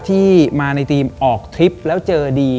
ที่มาในทีมออกทริปแล้วเจอดี